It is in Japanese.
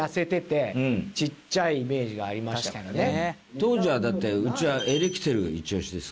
当時はだってうちはエレキテルイチオシですからね。